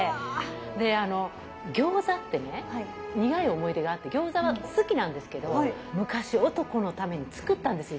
であの餃子ってね苦い思い出があって餃子は好きなんですけど昔男のために作ったんですよ